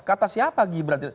kata siapa gibran